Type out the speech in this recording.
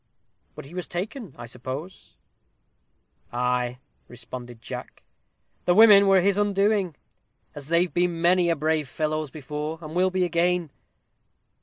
"But he was taken, I suppose?" asked Coates. "Ay," responded Jack, "the women were his undoing, as they've been many a brave fellow's before, and will be again."